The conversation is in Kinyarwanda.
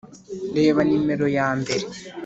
reba nimero ya mbere